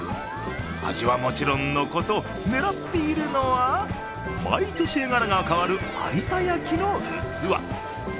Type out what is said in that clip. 味はもちろんのこと、狙っているのは毎年絵柄が変わる有田焼の器。